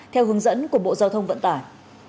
theo hướng dẫn của bộ giao thông vận tải